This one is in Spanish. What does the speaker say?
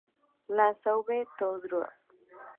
La Sauvetat-du-Dropt